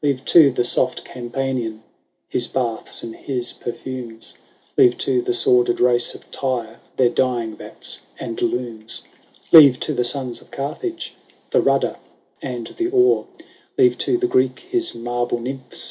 Leave to the soft Campanian His baths and his perfumes ; Leave to the sordid race of Tyre Their dyeing vats and looms : Leave to the sons of Carthage The rudder and the oar : Leave to the Greek his marble Nymphs